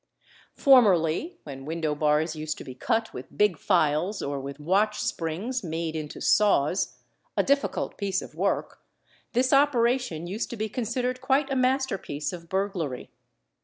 Formerly, when window bars used to be cut with big files or with watch springs made into saws, a difficult piece of work, this operation used to be considered quite a master piece of burglary.